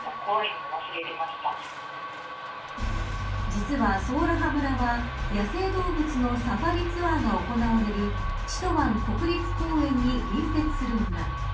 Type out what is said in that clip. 実はソウラハ村は野生動物のサファリツアーが行われるチトワン国立公園に隣接する村。